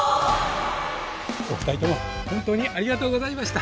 お二人とも本当にありがとうございました！